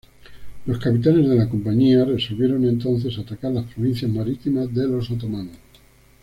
Los capitanes de la Compañía resolvieron entonces atacar las provincias marítimas de los otomanos.